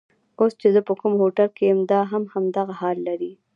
اوس چې زه په کوم هوټل کې یم دا هم همدغه حال لري.